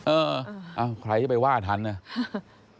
เออเออเออใครจะไปว่าทันนะ